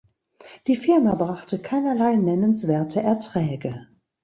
Die Firma brachte keinerlei nennenswerte Erträge.